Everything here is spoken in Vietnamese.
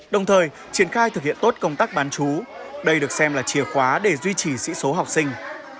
đồng thời triển khai thực hiện tốt công tác bán chú đây được xem là chìa khóa để duy trì sĩ số học sinh